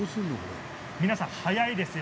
皆さん、早いですよ。